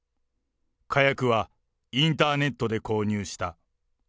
火薬はインターネットで購入した。